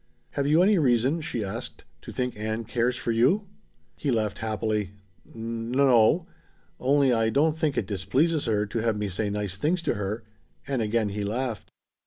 "Have you any reason," she asked, "to think Ann cares for you?" He laughed happily. "N o; only I don't think it displeases her to have me say nice things to her." And again he laughed.